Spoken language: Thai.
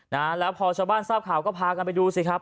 นะฮะแล้วพอชาวบ้านทราบข่าวก็พากันไปดูสิครับ